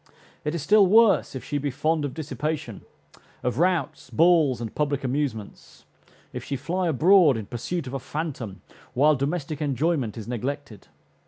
It is still worse if she be fond of dissipation, of routs, balls, and public amusements; if she fly abroad in pursuit of a phantom while domestic enjoyment is neglected.